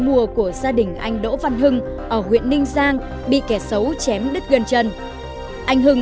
mùa của gia đình anh đỗ văn hưng ở huyện ninh giang bị kẻ xấu chém đứt gân chân anh hưng